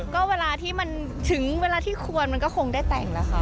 เขาเหมือนถึงเวลาที่ควรมันก็คงได้แต่งละค่ะ